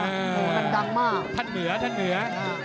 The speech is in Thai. หนังมากมากท่านเหนือ